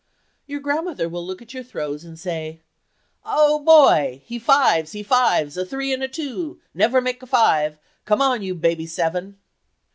Your grandmother will look at your "throw" and say, "Oh, boy! He fives—he fives—a three and a two—never make a five—come on, you baby seven!"